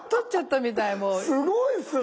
すごいっすね！